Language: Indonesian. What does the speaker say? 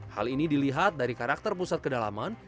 hal ini dilihat dari karakter pusat kedalaman